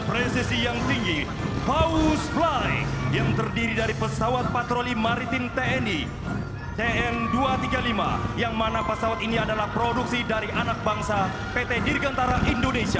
resesi yang tinggi paus fly yang terdiri dari pesawat patroli maritim tni tn dua ratus tiga puluh lima yang mana pesawat ini adalah produksi dari anak bangsa pt dirgantara indonesia